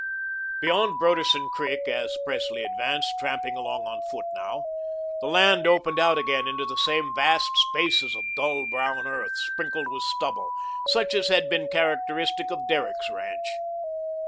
Beyond Broderson Creek, as Presley advanced, tramping along on foot now, the land opened out again into the same vast spaces of dull brown earth, sprinkled with stubble, such as had been characteristic of Derrick's ranch.